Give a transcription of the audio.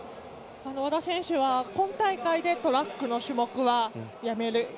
和田選手は今大会でトラックの種目はやめる。